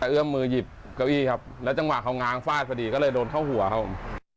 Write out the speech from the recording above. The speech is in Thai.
เอื้อมมือหยิบเก้าอี้ครับแล้วจังหวะเขาง้างฟาดพอดีก็เลยโดนเข้าหัวครับผม